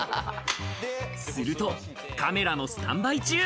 すると、カメラのスタンバイ中。